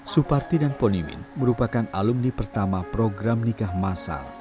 suparti dan ponimin merupakan alumni pertama program nikah masal